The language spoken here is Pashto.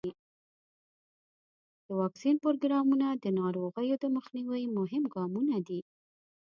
د واکسین پروګرامونه د ناروغیو د مخنیوي مهم ګامونه دي.